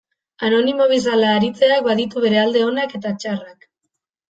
Anonimo bezala aritzeak baditu bere alde onak eta txarrak.